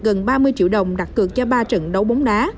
gần ba mươi triệu đồng đặt cược cho ba trận đấu bóng đá